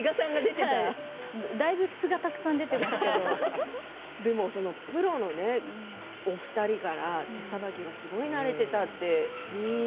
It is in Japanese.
だいぶ素がたくさんでもプロの、お二人から手さばきがすごい慣れていたって。